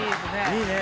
いいね。